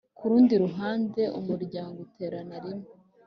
Ku rundi ruhande Umuryango uterana rimwe